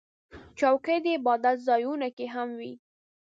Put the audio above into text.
چوکۍ د عبادت ځایونو کې هم وي.